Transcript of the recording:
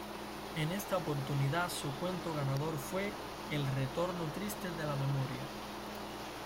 En esta oportunidad su cuento ganador fue "El Retorno Triste de la Memoria".